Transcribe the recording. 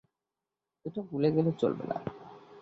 এটা ভুলে গেলে চলবে না।